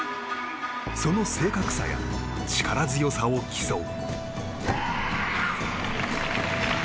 その正確さや力強さを競う。